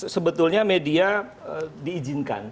sebetulnya media diizinkan